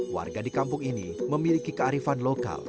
warga di kampung ini memiliki kearifan lokal